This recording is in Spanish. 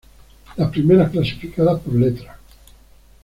Las primeras clasificadas por letras.